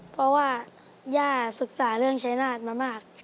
เพราะว่าย่าศึกษาเรื่องชายนาฏมามาก